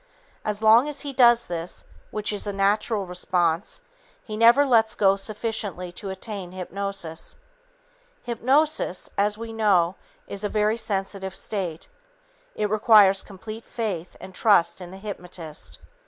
As long as he does this, which is a natural response, he never lets go sufficiently to attain hypnosis. Hypnosis, as we know, is a very sensitive state. It requires complete faith and trust in the hypnotist.